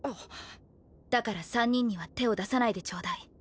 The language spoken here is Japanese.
だから３人には手を出さないでちょうだい。